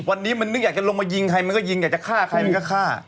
วันนี้มันนึกอยากจะลงมายิงใครมันก็ยิงอยากจะฆ่าใครมันก็ฆ่า